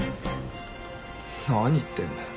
何言ってんだよ。